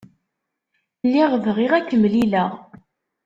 Lliɣ bɣiɣ ad k-mlileɣ.